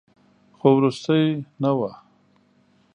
خو وروستۍ نه وه.